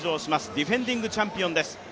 ディフェンディングチャンピオンです。